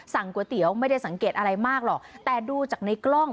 ก๋วยเตี๋ยวไม่ได้สังเกตอะไรมากหรอกแต่ดูจากในกล้อง